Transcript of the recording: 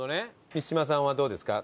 満島さんはどうですか？